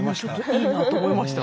いいなと思いました。